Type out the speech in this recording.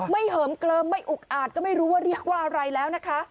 เหิมเกลิมไม่อุกอาจก็ไม่รู้ว่าเรียกว่าอะไรแล้วนะคะ